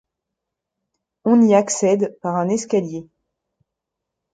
On y accède par un escalier.